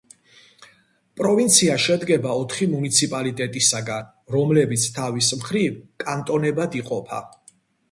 პროვინცია შედგება ოთხი მუნიციპალიტეტისაგან, რომლებიც თავის მხრივ კანტონებად იყოფა.